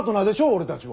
俺たちは。